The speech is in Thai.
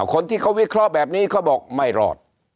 คนที่เขาวิเคราะห์แบบนี้เขาบอกไม่รอด